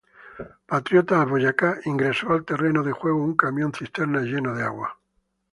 Patriotas Boyacá, ingresó al terreno de juego un camión cisterna lleno de agua.